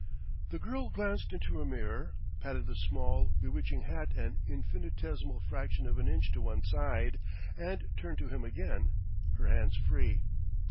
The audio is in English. The girl glanced into a mirror, patted the small, bewitching hat an infinitesimal fraction of an inch to one side, and turned to him again, her hands free.